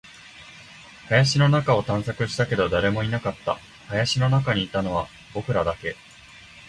林の中を探索したけど、誰もいなかった。林の中にいたのは僕らだけ。